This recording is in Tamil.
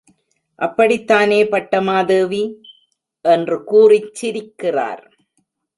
அப்படித்தானே பட்டமானதேவி? என்று கூறிச் சிரிக்கிறார்.